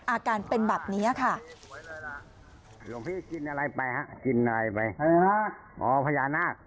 อาการเป็นแบบนี้ค่ะ